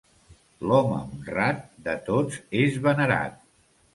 L'home honrat de tots és venerat.